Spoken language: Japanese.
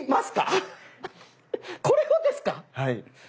これをですか⁉はい。